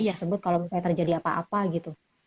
yang disebut kalau misalnya terjadi apa apa gitu